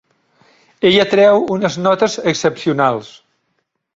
Ella treu unes notes excepcionals.